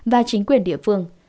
và chính quyền địa phương